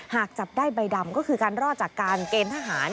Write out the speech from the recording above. หากจับได้ใบดำก็คือการรอดจากการเกณฑ์ทหาร